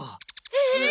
えっ！